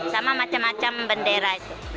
sama macam macam bendera